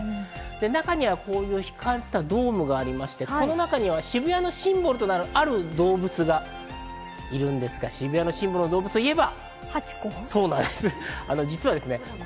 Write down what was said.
中には光ったドームがありまして、この中には渋谷のシンボルとなる、ある動物がいるんですが、渋谷のシンボルの動物といえば？